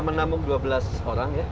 menampung dua belas orang ya